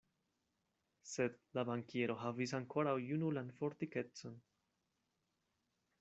Sed la bankiero havis ankoraŭ junulan fortikecon.